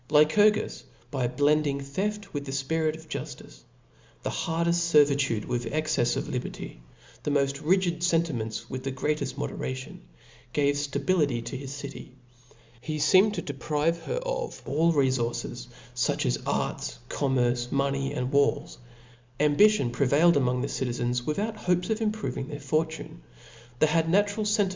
Lycurgus, by blending theft with the fpirit of juftice, the hardeft fcrvitude with excefs of liberty, the moft rigid fen timents with the greateft moderation, gave ftability to his city. He feenied to deprive her of allrc fources, fuch as arts, commerce, money, walls : am bition prevailed among the citizens without hopes of improving their fortune; they had natural fenti